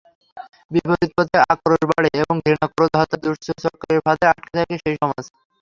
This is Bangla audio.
বিপরীত পথে আক্রোশ বাড়ে এবং ঘৃণা-ক্রোধ-হত্যার দুষ্টচক্রের ফাঁদে আটকে যায় সেই সমাজ।